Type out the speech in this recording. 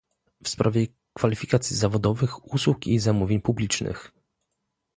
w sprawie kwalifikacji zawodowych, usług i zamówień publicznych